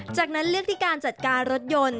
จากนั้นเลือกที่การจัดการรถยนต์